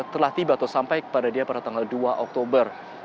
telah tiba atau sampai kepada dia pada tanggal dua oktober